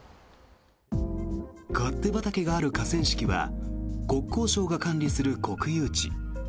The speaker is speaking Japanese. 勝手畑がある河川敷は国交省が管理する国有地。